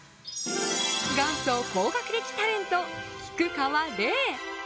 元祖高学歴タレント、菊川怜。